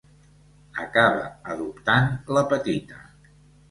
Acaba adoptant la petita.